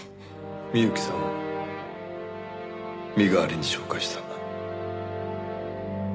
美由紀さんを身代わりに紹介した。